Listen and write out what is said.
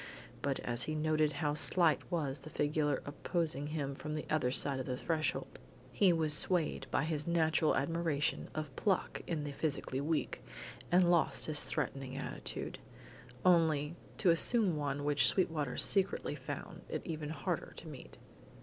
But as he noted how slight was the figure opposing him from the other side of the threshold, he was swayed by his natural admiration of pluck in the physically weak, and lost his threatening attitude, only to assume one which Sweetwater secretly found it even harder to meet.